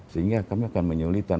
sehingga kami akan menyulitkan